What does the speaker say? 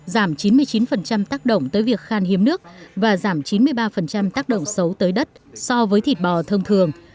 giảm chín mươi chín tác động tới việc khan hiếm nước và giảm chín mươi ba tác động xấu tới đất so với thịt bò thông thường